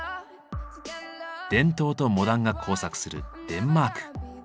伝統とモダンが交錯するデンマーク。